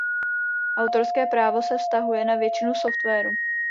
Autorské právo se vztahuje na většinu softwaru.